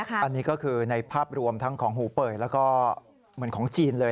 อันนี้ก็คือในภาพรวมทั้งของหูเป่ยแล้วก็เหมือนของจีนเลย